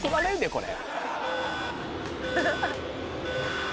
これ」